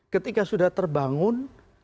ketika sudah terbangun